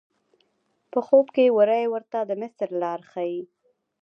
په خوب کې وری ورته د مصر لار ښیي.